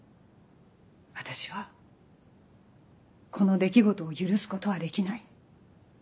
私はこの出来事を許すことはできない。